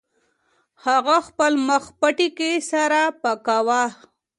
هغه خپل مخ پټکي سره پاکاوه.